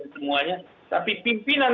semuanya tapi pimpinan